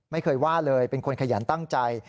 ไม่เคยว่าเลยเป็นคนขยันตั้งใจ